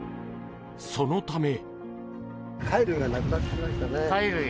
そのため。